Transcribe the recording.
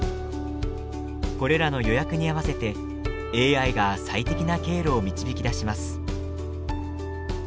これらの予約に合わせてＡＩが最適な経路を導き出します。